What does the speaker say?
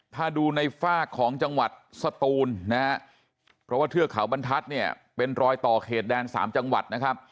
ถ้าดูในฝากของจังหวัดสตูนนะฮะเพราะว่าเทือกเขาบรรทัศน์เนี่ยเป็นรอยต่อเขตแดน๓จังหวัดนะครับ